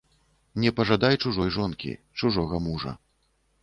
Не пажадай чужой жонкі, чужога мужа.